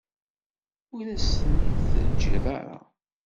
Ur as-ten-id-teǧǧiḍ ara.